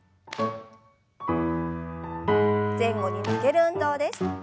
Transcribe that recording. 前後に曲げる運動です。